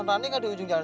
kita mau pergi ke akrab